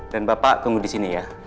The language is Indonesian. dan bapak tunggu disini ya